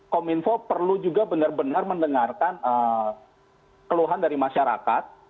kominfo perlu juga benar benar mendengarkan keluhan dari masyarakat